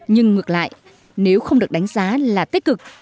nhưng ngược lại nếu không được đánh giá là tích cực